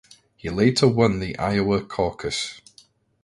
He later won the Iowa caucus.